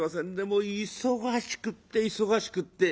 もう忙しくって忙しくって」。